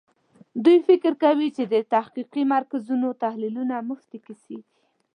دوی فکر کوي چې د تحقیقي مرکزونو تحلیلونه مفتې کیسې دي.